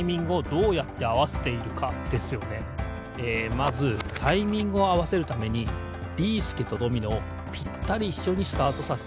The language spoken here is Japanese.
まずタイミングをあわせるためにビーすけとドミノをぴったりいっしょにスタートさせたいんです。